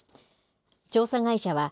調査会社は、